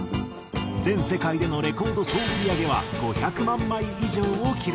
全世界でのレコード総売り上げは５００万枚以上を記録。